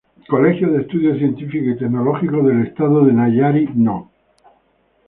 Colegio de Estudios Científicos y Tecnológicos del Estado de Nayarit No.